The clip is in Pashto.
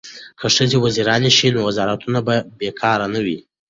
که ښځې وزیرانې شي نو وزارتونه به بې کاره نه وي.